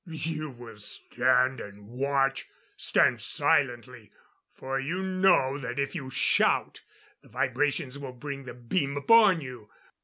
You will stand and watch stand silently for you know that if you shout, the vibrations will bring the beam upon you.